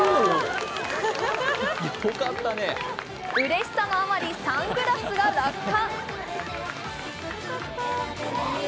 うれしさのあまりサングラスが落下。